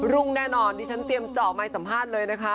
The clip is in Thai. รุ่งแน่นอนดิฉันเตรียมเจาะไมค์สัมภาษณ์เลยนะคะ